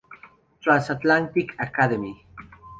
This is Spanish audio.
Transatlantic Academy.